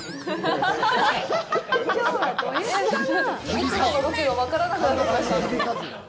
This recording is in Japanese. いつものロケが分からなくなってきました。